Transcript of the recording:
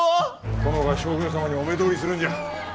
殿が将軍様にお目通りするんじゃ。